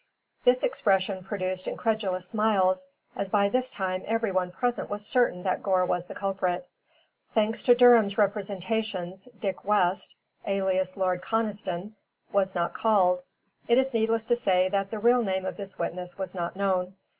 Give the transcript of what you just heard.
This expression produced incredulous smiles, as by this time everyone present was certain that Gore was the culprit. Thanks to Durham's representations Dick West (alias Lord Conniston) was not called. It is needless to say that the real name of this witness was not known.